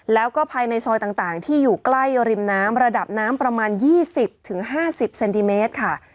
แล้วก็ภายในซอยต่างที่อยู่ใกล้ริมน้ำระดับน้ำประมาณ๒๐๕๐เซนติเมตรค่ะ